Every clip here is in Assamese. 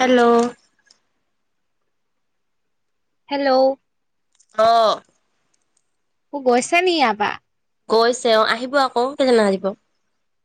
হেল্ল' হেল্ল' অঅঅ অ, গৈছে নেকি ইয়াৰ পৰা? আকৌ কেইজন মান আহিব?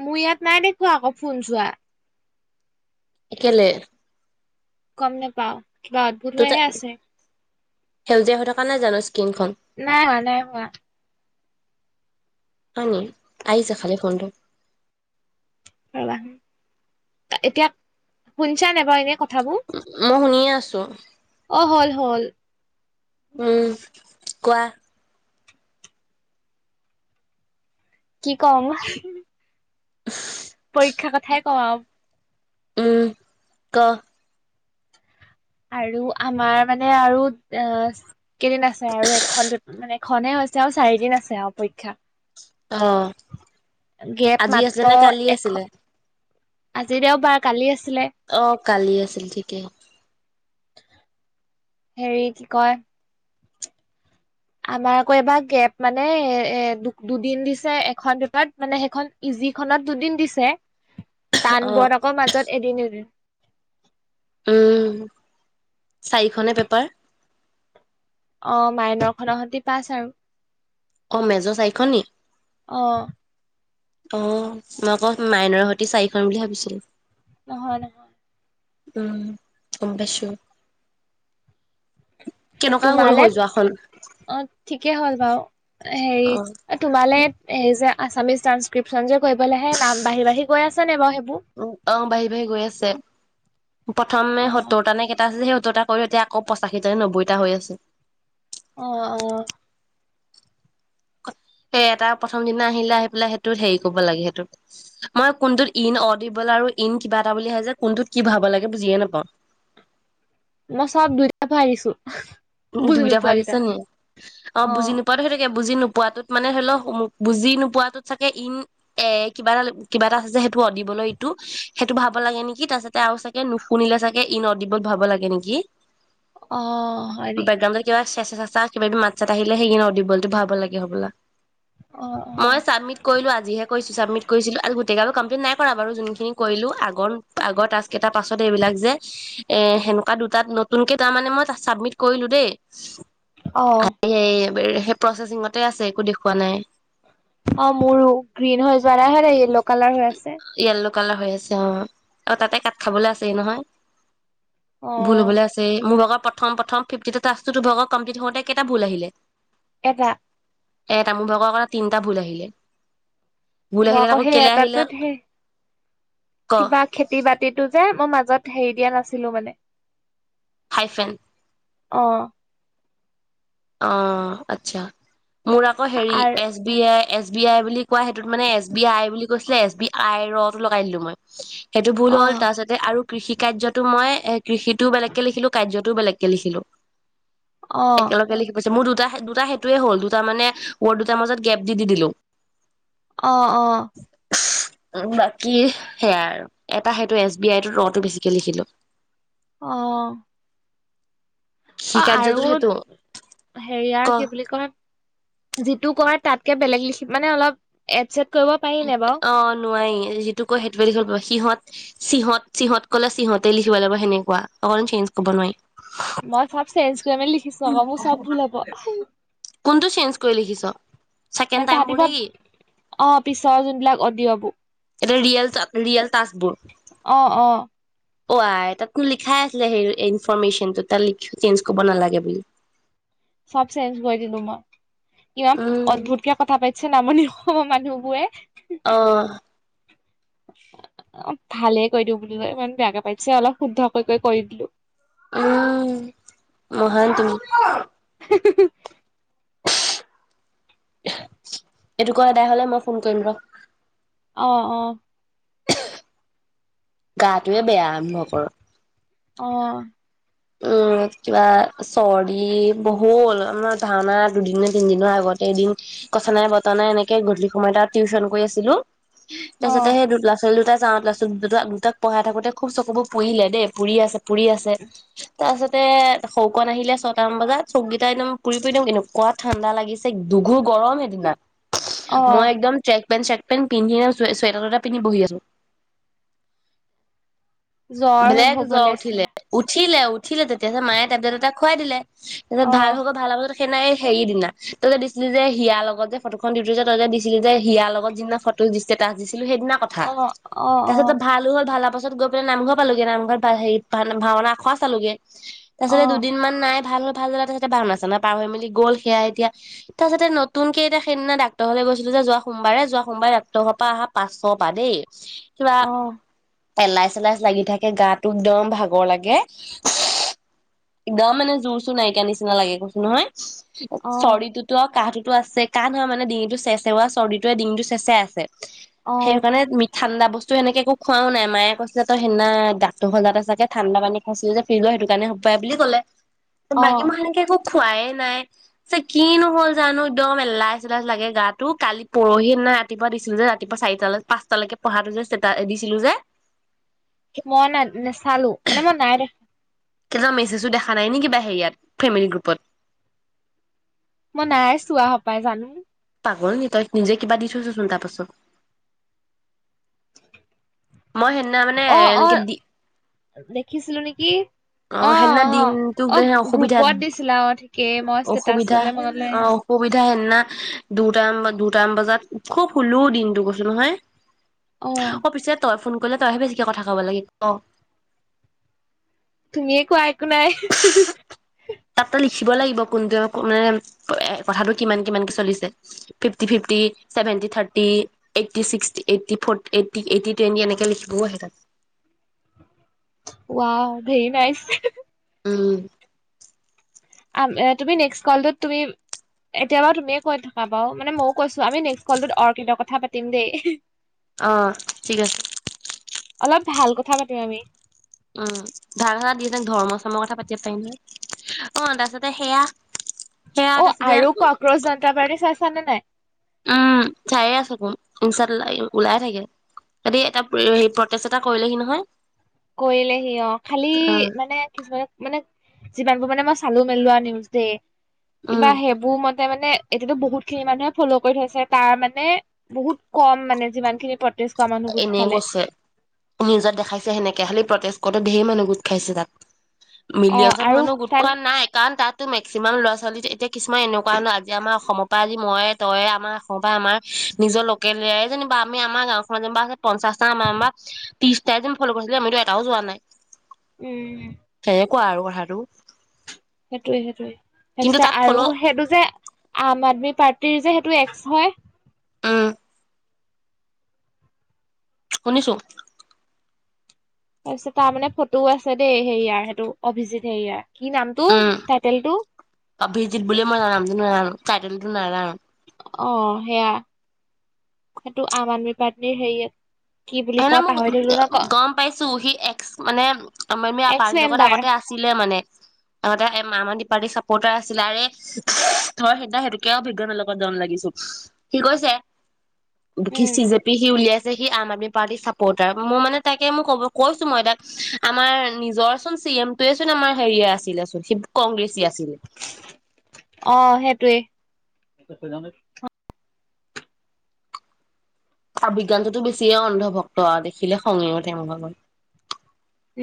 মোৰ ইয়াত নাই দেখুৱ আকৌ ফোন যোৱা একলে গম নোপাও ত ত সেউজীয়া হৈ থকা নাই জানো স্কিনখন নাই নাই নাই হোৱা আ আইজা খাল ফড [unintelligible] ৰবা এতিয়া শুনছা নে বাৰু এনে কথাবোৰ মই শুনিয়ে আছো অ হল হল উম কোৱা কি কম পৰীক্ষা কথাই কওঁ আৰু উম ক আৰু আমাৰ মানে আৰু কেইদিন আছে আৰু এখনেহ হৈছে আৰু চাৰিদিন আছে আৰু পৰীক্ষা অ গেপ আজি আছিলে মাত্ৰ নে কালি এখ আছিলে আজি দেওঁবাৰ কালি আছে আছিলে অ' কালি আছিল ঠিকে হেৰি কি কয় আমাৰ আকৌ এবাৰ গেপ মানে এ এ দু দুদিন দিছে এখন পেপাৰ মানে সেইখন ইজি খনত দুদিন দিছে টান অ' বোৰত আকৌ মাজত এদিন এদিন উম চাৰিখনে পেপাৰ অঁ মাইনৰ খনৰ সৈতে পাছ আৰু অঃ মেজৰ চাৰিখন নি অ অঁ মই আকৌ মাইনৰ সৈতে চাৰিখন বুলি ভাবিছিলো নহয় নহয় উম গমপাইছো তোমাৰ অঁ ঠিকেই হ'ল বাৰু অ' হেৰি তোমালে সেই যে আসামিছ টান্সছকিৰ্প খন যে গৈ কৰিবলৈ নাম বাঢ়ি বাঢ়ি গৈ আছে নে বাৰু সেইবোৰ অ' বাঢ়ি বাঢ়ি গৈ আছে প্ৰথমে অ সত্তৰ টা নে কেইটা আছে সত্তৰটা কৰি এতিয়া আকৌ পঁচাশীটা নে নব্বৈটা হৈ আছে অঁ অঁ সেই এটা প্ৰথম দিনা আহিলে আহি পেলাই সেইটোত হেৰি কব লাগে সেইটোত মই কোনটোত ইন অন দিবলৈ আৰু ইন কিবা এটা বুলি আহে যে কোনটোত কি ভাৰাব লাগে বুজিয়ে নাপাওঁ। মই চব দুটাই ভৰাই দিছো উম উম বুজি দুইটাই নোপোৱা ভৰায় দিছ কেইটা নে অঁ অ বুজি নোপোৱা সেইটোৱেকে বুজি নোপোৱাাতত মানে হলেও বুজি নোপোৱাটোত চাগে ইন এ কিবা এটা কিবা এটা আছে সেইটো অঁ দিবলৈ ইটো সেইটো ভৰুৱা লাগে নেকি তাৰছতে আৰু চাগে নুশুনিলে চাগে ইন অডিবল ভৰুৱাব লাগে নেকি অঁ বেকগ্ৰাউণ্ডৰ কিবা চে সেই কিবাাবি মাত চাত আহিলে সেইটো অদিবলটো ভাৰাব লাগে হবলা অ মই অ চাবমিট কৰিলো আজিহে কৰিছো চাবমিট কৰিছিলো টেকটো কমপ্লিট নাই কৰা বাৰু যোনখিনি কৰিলো আগৰ আগৰ টাস্কেইটা পাছত এইবিলাক যে হেনে কোৱা দুটাত নতুনকে তাৰ মানে মই চাবমিট কৰিলো দেই। অহ। সেই প্ৰচেচিঙতে আছে একো দেখুওা নাই। অ' মোৰো গ্ৰীণ হৈ যোৱা [unintelligible] কালাৰহে আছে। কালা হৈ আছে অ 'আৰু তাতে কাত খাবলৈ আছে নহয়। অ ভুল হবলৈ আছে মোৰ [unintelligible] প্ৰথম- প্ৰথম ফিফটত কমপ্লিট হওঁতে কেইটা ভুল আহিলে? এটা। এতা মোভাগ আৰু তিনিটা ভুল আহিলে। ভুল আহিলে আকৌ কেলে আহিল হে কি বঘ খেতি? ৰাতিটো যে মই মাজত হেৰি দিয়া নাছিলো মানে হাইফেন অ। আহ ', আচ্ছা। মোৰ আকৌ হেৰি আৰ S B I S B I বুলি কোৱা সেইটোতত মানে এছ বি আই বুলি কৈছিলে এছ বি আইৰ ৰটো লগাই দিলো মই। সেইটো ভুল অ হ'ল তাৰছতে আৰু কৃষি কাৰ্যটো মই এ কৃষিটোও বেলেগকে লিখিলো কাৰ্যটোও বেলেগকে লিখিলো। অ [unintelligible] মোৰ দুটা দুটা সেইটোৱে হ'ল দুটা মানে ৱৰ্ড দুটাৰ মাজত গেপ দি দিলো। অ অ উ ', বাকী সেয়া আৰু। অহ। কৃষি কাৰ্যটোত আ-আৰু সেইটো হেৰিয়াৰ ক কি বুলি কয় যিটো কয় তাত কে বেলেগ লিখি মানে অলপ এড চেড কৰিব পাৰি নে বাৰু অ নোৱাৰি যিটো কয় সেইটোৱে লিখিব লাগিব সিহঁত চিহত - চিহত কলে চিহতে লিখিব লাগিব সেনেকুৱা। অকণ চেঞ্জ কৰিব মই চব চেঞ্জ কৰি মেলি লিখিছো নোৱাৰি আকৌ মোৰ চব ভুল হ'ব কোনটো। চেঞ্জ কৰি লিখিছ মানে ছেকেণ্ড টাইমবোৰ নেকি? বিলাক অদিয়বু এটা ৰিয়েল ৰিয়েল তাজবুৰ। অ', আই তাতনো লিখাই আছিলে সেই ইনফৰমেশ্যনটো তাত চেঞ্জ কৰিব নালাগে বুলি? চব চেঞ্জ কৰি দিলো মই। ইমান উম, অদ্ভুত কে কথা পাতিছে নামনি। মানুহ বোৰে অঅঅ অ ভালে কৈ দিওঁ বো ইমান বেয়াকে পাইতিছে অলপ শুদ্ধকৈ কৈ কৰি দিলো উম মহান তুমি এইটো কোৱা সদাই হলে মই ফোন কৰিম ৰ অ অ গাটোোৱে বেয়া আৰম্ভ কৰ অঅঅ উম কিবা চৰ্দি বহুল আাৰ ধাওনাা দুদিিন তিনদিনৰ আগতে এদিন কথা নাই বতা নাই এনেকে গধূলি সময়ত তাত টিউচন কৰি আছিলো অ তাৰপিছতে সেই দু লা চোৱালী দুটাাক তাৰ পাছত দু দুটাক পঢ়াই থাকোতে খুব চকুবোৰ পোৰিলে দেই পোৰি আছে পুৰি আছে তাৰপাছতে শৌকণ আহিলে ছয়টামান বজাত চৌককেইটা একদম পুৰি পুৰি দিম কিন্তু কাত ঠাণ্ডা লাগিছে দুঘুৰ গৰম সেইদিনা অ মই একদম পেণ্ট চাৰ্ট পেণ্ট পিন্ধি চুৱেটাৰ দুটা পিন্ধি বহি আছো জ্বৰ ব্লেক জ্বৰ হবলে আছে উঠিলে উঠিলে উঠিলে তেতিয়া মায়ে টেবলেট এটা খোৱাই খুৱাই দিলে তাৰপিছত ভ অ হব ভাল হ' সেনাই হেৰি দিনা ততে দিছিলি যে হিয়াৰ লগত যে ফটোখন দি থ যে তইতে দিছিলি যে হিয়াৰ লগত যিদিনা ফটো দিছে তাক দিছিল সেইদিনা কথা অ অ অ তাৰপিছত ভালো হ'ল ভাল আ গ নামঘৰ পালোোগে নামঘৰ হেৰি ভ ভাওনা খোৱা চালোোগে অ অ তাৰিছতে দুদিন মমান নাই ভাল ভালা তাৰপাছতে ভওনা চাননা পাৰ হৈ মেলি গ'ল সেয়া এতিয়া তাৰাছতুক কে এয়া সেইদিনা ডাক্তৰলে গৈছিলো যে যোৱা সোমবাৰে যোৱা সোমবাৰে ডাক্তৰ পৰা আহা পাঁশ প পৰা দেই অঅঅ এেলাই চ এেলাই লাগি থাকে গাটো একদম ভাগৰ লাগে একদম মানে জোৰ চুৰ নাইিকা নিচিনা লাগে কৈছো নহয় অ চৰি ততো কাহ তোৰ আছে কাহঁ ধৰে মানে ডিঙিটো চেচেৰাই চৰ্দিটো ডিঙিটো চেচেৰাই আছে। অ সেইকাৰণে ঠাণ্ডা বস্তুেনেকে একু খুৱাও নাই মায়ে কৈছিলে তই সেইদিনা দাঁৰ হ দাততে চাগে ঠাণ্ডা পানী খাইছিলো যে ফিল সেইটো কাৰণে হ পায় বুলি কলে ত অ বাকি মানে ক খোৱাইে নাই চ কি নহল জানো একদম এলাচ এলাইচ লাগে গাটো কালি পৰহিে নাই ৰাতিপুৱা দিছিলো যে ৰাতিপুৱা চাৰিটালৈ পাঁচটালৈকে পঢ়াটো যে ছিলো যে মই নাই নেচালো মানে মই নাই দেখা কি মেছেজো দেখা নাই নি কিবা হেৰিয়াত ফ্ৰেমেলি গ্ৰুপত মই নাইাই চো আহ পায় জানো পাগল নি তই নিজে কিবা দি থৈছচোন তাৰ পাছত মই সিদিনা মানে অ অ এনেকে দি দেখিছিলো নেকি! অ সিদিনা অ দিনতোকে অসুবিধা গ্ৰুপত দিছিলা অ ঠিকেই মই অসুবিধা ষ্টেটাচলে মনলৈ অ আহিছে অসুবিধা সিদিনা দুটাম দুটামান বজাত খুব শুলো দিনতটো কৈছো নহয়। অ পিছে তই ফোন কৰিলে তইহে বেছিকে কথা কব লাগে অ তুমিয়ে কোৱা একো নাই। তাত তই লিখিব লাগিব কোনটোৱে মানে কথাটো কিমান কিমানকে চলিছে fifty fifty seventy thirty eighty eighty forty eighty eighty twenty এনেকে লিখিবও আহে তাত। Wow very নাইছ। উ'ম আ তুমি নেক্স কলতো তুমি এতিয়া বাৰু তুমিয়ে কৈ থকা বাও মানে মইও কৈছো আমি নে কলত অকিতৰ কথা পাতিম দেই। অ ঠিক আছে। অলপ ভাল কথা পাতিম আমি। উ'ম ধাৰজন ধৰ্ম চৰ্মৰ কথা পাতিব পাৰিম নহ অ তাৰিছতে সেয়া। সেয়া অ তাৰপিছতে আৰু কক্ৰচ জন্তা পাটী চাইছা নে নাই? উ'ম চায়ে আছোকো [unintelligible] ওলাইে থাকে সিহঁতি এটা প্ৰটেষ্ট এটা কৰিলেহি নহয়। কৰিলে সি অ খালি মানে কিছুমান। মানে যিমানবোৰ মানে মই চালো মেলোৱা নিউজ দেই কিবা উম, সেইবোৰ মত মানে এতিয়াতো বহুত খিনি মানুহে ফ'ল' কৰি থৈছে তাৰ মানে বহুত কম মানে যিমান খিনি প্ৰতেষ্ট এনেই কৈছে নিউজত দেখাইছে সেনেকে। খালি প্ৰতেজ কতে ঢেৰ মানুহ গোট খাইছে তাত। অ মিলিয়জত আৰু মানুহ গোট তাত খোৱা নাই কাৰণ তাত ত মেক্সিমাম ল'ৰা ছোৱালী যে এতিয়া কিছুমান এনেকুৱা নহ আজি আমাৰ অসমৰ পৰা আজি মই তয়ে আমাৰ অসমৰ পৰা আমাৰ নিজৰ লোকেলয়াৰে যেনিব আমি আমাৰ গাওঁখন মাজজ [unintelligible] ভ পঞ্চাছতা মেম্বাৰ ত্ৰিছতায়ে ফল কৰিছিলে মইতো এটাও যোৱা নাই। উ'ম। কোৱা আৰু কথাটো। সেইটোয়ে সেইটোয়ে কিন্তু তাছতে তাত আৰু ফ'ল' সেইটো যে আম আদমি পাৰ্টি ত্ৰি যে সেইটো এক্স হয়। উম, শুনিছো। তাৰপিছত তাৰ মানে ফটোও আছে দেই হেৰিয়াৰ সেইটো অভিজিত হেৰিয়াৰ। কি নামটো উম টাইটেলটো অভিজিত বুলি মই [unintelligible] যাম ন নো [unintelligible] অ সেয়া সেইটো আম আদমি পাৰ্টিৰ হেৰিয়ে হয় নে মোক গম পাইছো সি এক্স মানে আমাৰ এক্স পাৰ্টিৰ লগত মেম্বাৰ আগতে আছিলে মানে আহতে মান পাৰ্টী চাপৰ্টাৰ আছিলে আৰে ধৰ সেইদিনা সেইটোকে অভিজ্ঞ লগত দন লাগিছো সি কৈছে বেছি উম চিজেপি সি উলিয়াইছে যে সেই আম আদমি পাৰ্টী চাপৰ্টাৰ মই মানে তাকে মই কৈছো মই তাক আমাৰ নিজৰ কোন চিএমটোৱে সেই তুয়েইচোন আামাৰ হেৰিে আছিলে চোন কংগ্ৰেছী আছিলে অঁ সেইটোৱে সি জানে অ বিজ্ঞানজোতিতো বেছিয়ে অন্ধভক্ত দেখিলে খঙে উঠে মোৰ ভাগৰ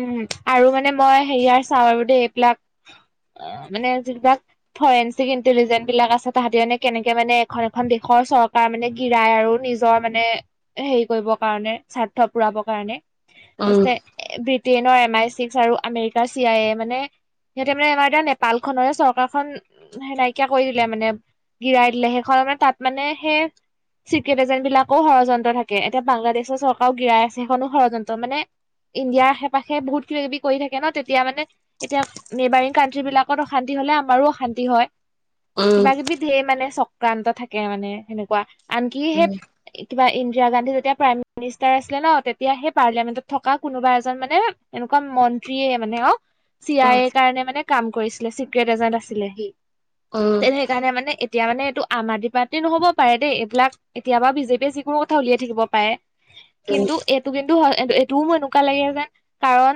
উম আৰু মানে মই হেৰি আৰু চাওঁ আৰু দেই এইবিলাক মানে যিবিলাক ফৰেঞ্চিক ইণ্টেলিজেঞ্চ বিলাক আছে তাহতি মানে কেনেকে মানে এখন এখন দেশৰ চৰকাৰ মানে গিৰাই আৰু নিজৰ মানে হেৰি কৰিবৰ কাৰণে স্বাৰ্থ পুৰাবৰ কাৰণে আ উম বি বিটেইনৰ এম আই চিক্স আৰু আমেৰিকাৰ চি আই এ মানে সিহঁতে মানে আমাৰ এতিয়া নেপালখনেৰে চৰকাৰখন নাইকিয়া কৰি দিলে মানে গিৰাই দিলে সেইখন মানে তাত মানে সেই চিক্ৰেট এজেণ্ট বিলাকো ষড়যন্ত্ৰ থাকে এতিয়া বাংলাদেশৰ চৰকাৰও গিৰাই আছে সেইখনো ষডযন্ত্ৰ মানে ইণ্ডিয়া বাকি বহুত কিব কিবি কৰি থাকে ন তেতিয়া মানে এতিয়া নেবাৰিং কানট্ৰ্ৰী বিলাকত অশান্তি হলে আমাৰো অশান্তি হয় উম কিবা কিবি ধেয় মানে চক্ৰান্ত থাকে মানে সেনেকুৱা আনকি সেই উম কিবা ইন্দিৰা গান্ধী যেতিয়া প্ৰাইম মিনিষ্টাৰ আছিলে ন তেতিয়া সেই পাৰ্লিয়ামেণ্টত থকা কোনোবা এজন মানে এ এনেকুৱা মন্ত্ৰীয়ে মানে আৰু উম চিয়াই কাৰণে মানে কাম কৰিছিলে চিক্ৰেট এজেন্ট আছিলে সি উম তেনে সেইকাৰণে মানে এতিয়া মানে এইটো আম আদমি পাৰ্টি নহব পাৰে দেই এইবিলাক এতিয় বাা বিজেপিয়ে যিকোনো কথা উলিয়াই থাকিব পাৰে উম কিন্তু এইটো কিন্তু হয় এইটোওোৰ এনেকুৱা লাগে যেন কাৰণ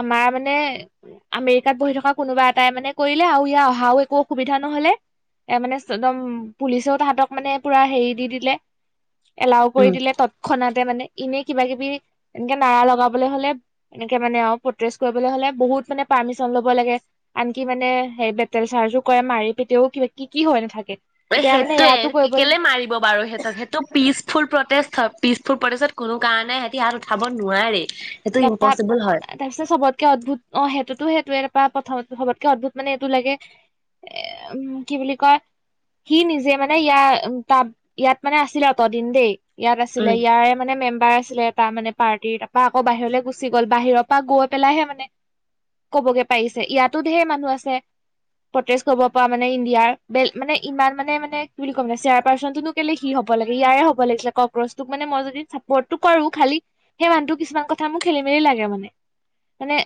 আমাৰ মানে আমেৰিকাত বহি থকা কোনোবা এটাই মানে কৰিলে আৰু ইয়াৰ অহাও একো অসুবিধা নহলে এ মানে একদম পুলিচেও তাহতক মানে পুৰা হেৰি দি দিলে এলাও উম কৰি দিলে তৎক্ষণাত এতিয়া মানে এনে কিবা কিবি এনেকে নাৰা লগা হলে এনেকে মানে কৰিব হলে বহুত মানে পাৰ্মিচন লব লাগে আন কি মানে হ বে চাৰজো কৰে মাৰি পিতিয়াওিবা কি কি হয় নাথাকে এতিয়া মানে ইয়াতো সেইটোোৱে কৰিব কেলে মাৰিব বাৰু সিহঁতক সেইটো পিচফুল প্ৰটেকচন পিছফুল প্ৰদেশত কোনো কাৰণে সিহঁতি হাত উঠাব নোৱাৰে সেইটো ইম্পচিবল হয় তাৰপিছত চবতকে অদ্ভুত অঁ সেইটোতোই এনোৰপা প্ৰথম সবতকে অদ্ভুত মানে এইটো লাগে এ উম কি বুলি কয় সি নিজে মানে ইয়াৰ উ তাত ইয়াত মানে আছিলে অত দিন দেই ইয়াত আছিলে উম ইয়াৰে মানে মেম্বাৰ আছিলে তাৰ মানে পাৰ্টী আকৌ বাহিৰলৈ গুচি গ'ল বাহিৰৰ পৰা গৈ পেলাইহে মানে ক'বগে পাৰিছে ইয়াতো ঢেৰ মানুহ আছে প্ৰটেষ্টা কৰিব পৰা মানে ইণ্ডিয়াৰ ব মানে ইমান মানে মানে কি বুলি ক মানে চেয়াৰ পাৰ্চনতনো কেলে সি হব লাগে ইয়াৰে হ'ব লাগিছিলে কক্ৰটোক মানে মই যদি চাপৰ্টটো কও খালি সেই মানুহটো কিছুমান কথা মোৰ খেলি মেলি লাগে মানে মানে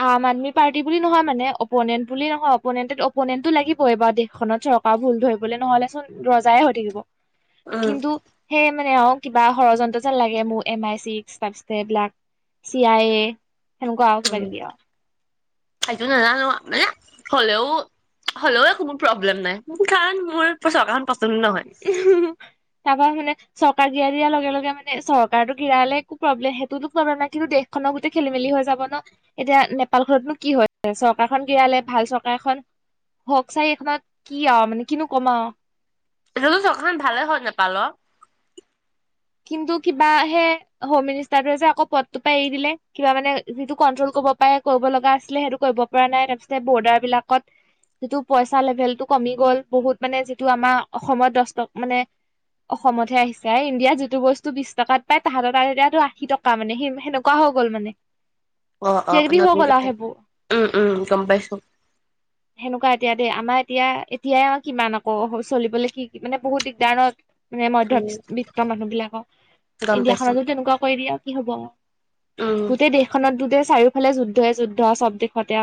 আম আদমি পাৰ্টি বুলি নহয় মানে অপনেন্ট বুলি নহয় অপনেণ্ট অপনেন্টো লাগিব এইবাৰ দেশখনত চৰকাৰ ভুল ধৰিবলে নহলে চোন ৰজায় হৈ থাকিব উম কিন্তু সেই মানে আৰু কিবা ষড়যন্ত্ৰ যেন লাগে মোৰ এম আই চিক এইবিলাক চিয়ায়ে উম তাইতো নাজানো মানে হ'লেও হ'লেও কোনো প্ৰব্লেম নাই মোৰ কাৰণ মোৰচ পচন্দ হয় তাৰপা মানে চৰকাৰ গিৰা দিয়াৰ লগে লগে মানে চৰকাৰো গিৰালে একো প্ৰব্লেম সেইটোতো প্ৰব্লেম নাই কিন্তু দেশখননৰ গোটেই খেলি মেলি হৈ যাব ন এতিয়া নেপালখনতনো কি হয় চৰকাৰখন গিৰালে ভাল চৰকাৰখন হওক চাই এইখনত কি আৰু মানে কিনো কমাও সো চখন ভালে হয় নেপাল কিন্তু কিবা হে হোম মিনিষ্টাৰটোৱে যে আকৌ পদটো পৰা এৰি দিলে কিবা মানে যিটো কন্ট্ৰল কৰিব পাৰে কৰিব লগা আছিলে সেইটো কৰিব পৰা নাই তাৰপিছতে বৰ্ডাৰ বিলাকত যিটো পইচা লেভেলটো কমি গ'ল বহুত মানে যিটো আমাৰ অসমত দহ টকা মানে অসমতহে আহিছে ইণ্ডিয়াত যি টো বস্তু বিশ টকাত পাই তাহাঁত আৰু এতিটো আশীটকা মানে সেনেকুৱা হৈ গ'ল মানে অ অ কিবা কিবি হৈ গ'ল পন্ধৰিনক আৰু সেইবোৰ উম উম গম পাইছো সেনেকুৱা এতিয়া দেই আমাৰ এতিয়া এতিয়া আৰু কিমান আকৌ চলিবলে কি মানে বহুত দিগদাৰত মানে উম মধ্যবিত্ত মানুহ বিলাক গম ইণ্ডিয়া পাইছো খনতো তেনেকুৱা কৈ দিয়া কি হ'ব উম গোটেই দেশখনত দুোটেই চাৰিও ফালে যুদ্ধে যুদ্ধ চব দিশতে